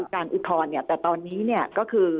การอุทธรณเนี่ยแต่ตอนนี้เนี่ยก็คือ